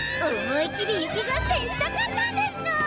思い切り雪合戦したかったんですの！